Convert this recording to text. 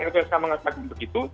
ltsk mengatakan begitu